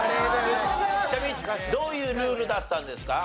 ちなみにどういうルールだったんですか？